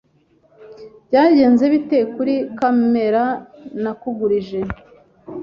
Byagenze bite kuri kamera nakugurije?